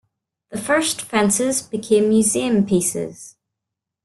The first fences became museum pieces.